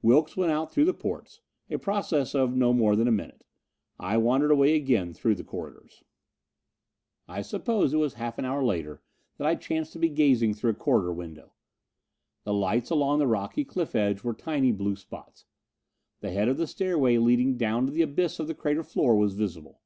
Wilks went out through the portes a process of no more than a minute. I wandered away again through the corridors. I suppose it was half an hour later that I chanced to be gazing through a corridor window. The lights along the rocky cliff edge were tiny blue spots. The head of the stairway leading down to the abyss of the crater floor was visible.